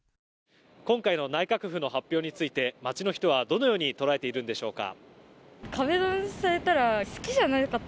今回の内閣府の発表について街の人はどのように捉えているんでしょうか。